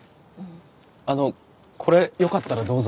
あのこれよかったらどうぞ。